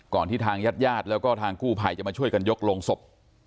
ที่ทางญาติญาติแล้วก็ทางกู้ภัยจะมาช่วยกันยกลงศพ